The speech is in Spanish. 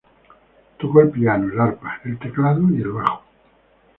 Tocó el piano, el arpa, el teclado y el bajo.